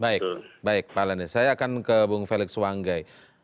baik baik pak lenis saya akan ke bung felix wanggai